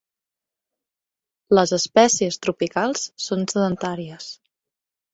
Les espècies tropicals són sedentàries.